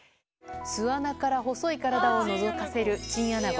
巣穴から細い体をのぞかせるチンアナゴ。